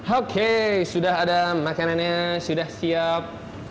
oke sudah ada makanannya sudah siap